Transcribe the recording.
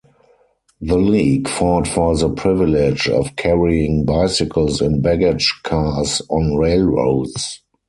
The League fought for the privilege of carrying bicycles in baggage cars on railroads.